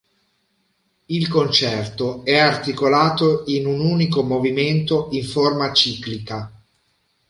Il concerto è articolato in un unico movimento in forma ciclica.